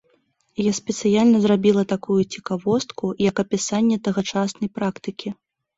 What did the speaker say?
Я спецыяльна зрабіла такую цікавостку як апісанне тагачаснай практыкі.